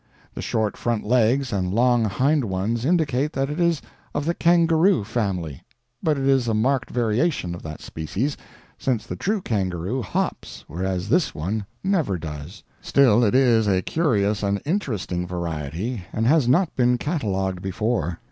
The short front legs and long hind ones indicate that it is a of the kangaroo family, but it is a marked variation of that species, since the true kangaroo hops, whereas this one never does. Still it is a curious and interesting variety, and has not been catalogued before.